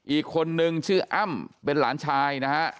อีกคนนึงชื่ออ้ำเป็นหลานชายนะฮะ